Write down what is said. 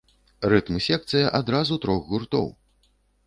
Рытм-секцыя адразу трох гуртоў!